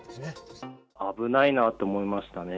危ないなと思いましたね。